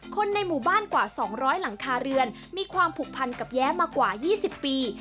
คนในหมู่บ้านกว่า๒๐๐หลังคาเรือนมีความผูกพันกับแย้มากว่า๒๐ปี